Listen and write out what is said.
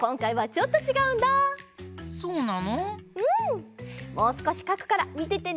もうすこしかくからみててね！